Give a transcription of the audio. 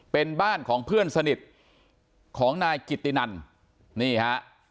เป็นบ้านของเพื่อนสนิทของนายกิตตินันนี่ฮะ